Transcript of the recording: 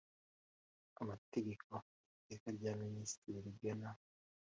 amategeko iteka rya Minisitiri rigena.